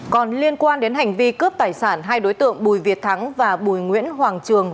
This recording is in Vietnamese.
còn liên quan đến hành vi cướp tài sản hai đối tượng bùi việt thắng và bùi nguyễn hoàng trường